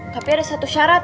tapi ada satu syarat